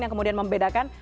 yang kemudian membedakan